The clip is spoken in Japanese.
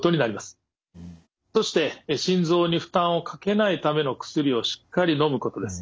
そして心臓に負担をかけないための薬をしっかりのむことです。